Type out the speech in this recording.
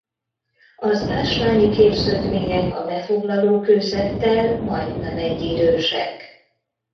Az ásványi képződmények a befoglaló kőzettel majdnem egyidősek.